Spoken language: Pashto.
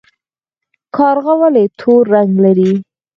کارغه ولې تور رنګ لري؟